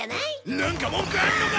なんか文句あんのか？